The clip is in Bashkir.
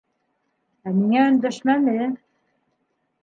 Ә миңә өндәшмәне!